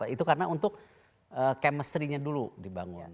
itu karena untuk chemistrynya dulu dibangun